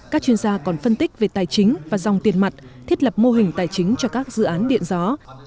các chuyên gia còn phân tích về tài chính và dòng tiền mặt thiết lập mô hình tài chính cho các dự án điện gió